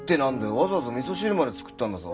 わざわざ味噌汁まで作ったんだぞ。